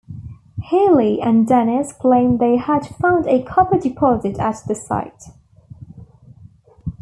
Healy and Dennis claimed they had found a copper deposit at the site.